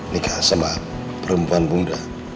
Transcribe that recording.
nikah sama perempuan bunda